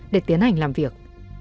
để tiến hành làm việc